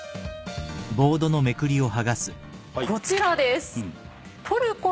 こちらです。